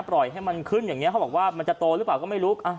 ปล่อยให้มันขึ้นอย่างนี้เขาบอกว่ามันจะโตหรือเปล่าก็ไม่รู้